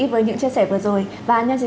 cảm ơn các bạn đã theo dõi và hẹn gặp lại